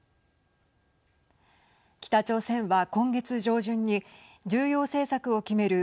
北朝鮮は今月上旬に重要政策を決める